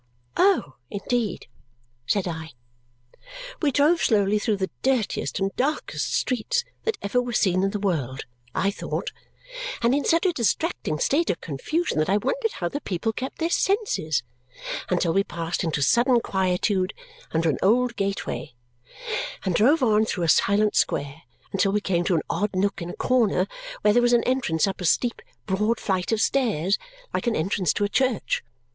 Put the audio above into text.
"Oh, indeed!" said I. We drove slowly through the dirtiest and darkest streets that ever were seen in the world (I thought) and in such a distracting state of confusion that I wondered how the people kept their senses, until we passed into sudden quietude under an old gateway and drove on through a silent square until we came to an odd nook in a corner, where there was an entrance up a steep, broad flight of stairs, like an entrance to a church.